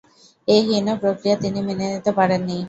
এ হীন প্রক্রিয়া তিনি মেনে নিতে পারেন নি।